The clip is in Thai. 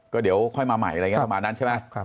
ก็เดี๋ยวค่อยมาใหม่อะไรอย่างนี้ประมาณนั้นใช่ไหม